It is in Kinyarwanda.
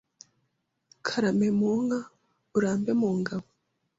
“Karame mu nka urambe mu ngabo